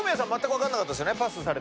分かんなかったです。